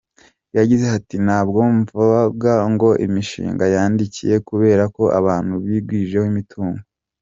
Yagize ati”Ntabwo mvuga ngo imishinga yadindiye kubera ko abantu bigwijeho imitungo.